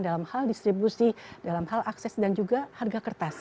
dalam hal distribusi dalam hal akses dan juga harga kertas